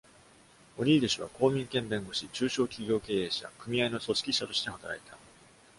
オニール氏は公民権弁護士、中小企業経営者、組合の組織者として働いた。